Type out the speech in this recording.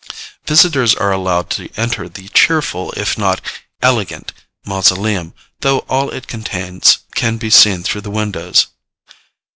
Visitors are allowed to enter the cheerful, if not elegant mausoleum, though all it contains can be seen through the windows.